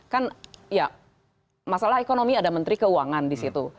kan ya masalah ekonomi ada menteri keuangan di situ